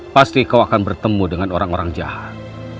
pasti kau akan bertemu dengan orang orang jahat